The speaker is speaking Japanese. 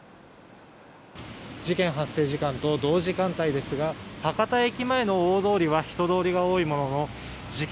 事件発生と同時間帯ですが博多駅前の大通りは人通りが多いものの事件